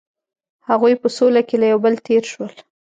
هغوی په سوله کې له یو بل تیر شول.